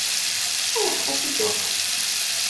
Ayɣer i t-id-tuɣemt?